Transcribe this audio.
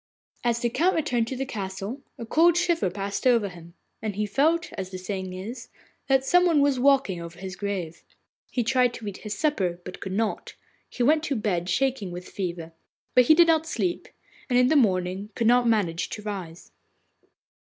As the Count returned to the castle, a cold shiver passed over him, and he felt, as the saying is, that some one was walking over his grave. He tried to eat his supper, but could not; he went to bed shaking with fever. But he did not sleep, and in the morning could not manage to rise.